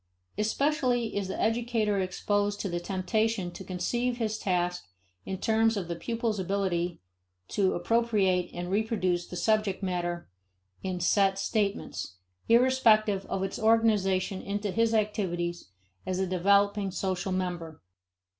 Especially is the educator exposed to the temptation to conceive his task in terms of the pupil's ability to appropriate and reproduce the subject matter in set statements, irrespective of its organization into his activities as a developing social member.